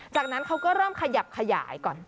จากนั้นเขาก็เริ่มขยับขยายก่อน